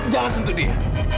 jangan sentuh dia